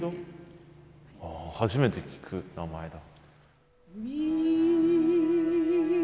初めて聞く名前だ。